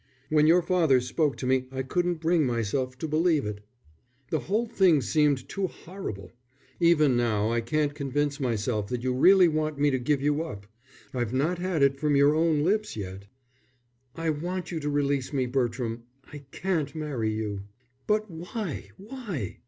"When your father spoke to me I couldn't bring myself to believe it. The whole thing seemed too horrible. Even now, I can't convince myself that you really want me to give you up. I've not had it from your own lips yet." "I want you to release me, Bertram. I can't marry you." "But why, why?